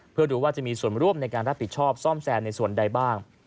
เพื่อดูว่าจะมีส่วนร่วมในการรับผิดชอบซ่อมแซมในส่วนใดบ้าง